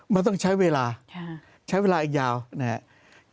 มันต้องใช้เวลาใช้เวลาอีกยาวนะครับ